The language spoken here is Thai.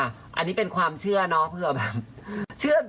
อันนี้เป็นความเชื่อน้อเพื่อแปลว่า